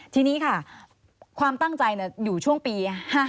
ทีนี้ค่ะความตั้งใจอยู่ช่วงปี๕๕